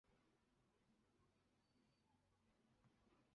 符合条件的中继投手指的是除了第一任以外的投手。